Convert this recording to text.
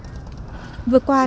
vừa qua tỉnh quảng nam